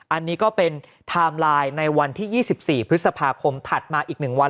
อันนี้ก็เป็นไทม์ไลน์ในวันที่๒๔พฤษภาคมถัดมาอีก๑วัน